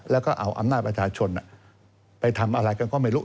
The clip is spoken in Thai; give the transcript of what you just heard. แล้วก็เอาอำนาจประชาชนไปทำอะไรกันก็ไม่รู้